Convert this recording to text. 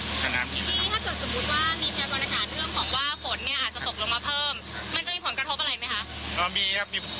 ขนาดพี่ถ้าเกิดสมมุติว่ามีพยากรณาตเรื่องของว่าฝนเนี่ยอาจจะตกลงมาเพิ่มมันจะมีผลกระทบอะไรไหมคะ